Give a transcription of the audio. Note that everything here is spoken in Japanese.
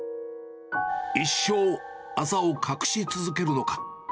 一生あざを隠し続けるのか。